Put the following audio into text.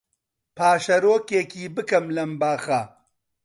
پاشەرۆکێکی بکەم لەم باخە